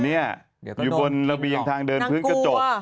เดี๋ยวก็โดนกินออกอยู่บนระบียังทางเดินพื้นกระจก